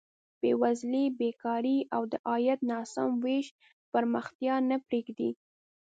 بېوزلي، بېکاري او د عاید ناسم ویش پرمختیا نه پرېږدي.